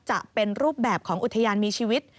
จะเป็นรูปแบบของอุทยานมีชีวิต